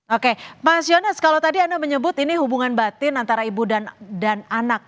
oke mas yones kalau tadi anda menyebut ini hubungan batin antara ibu dan anak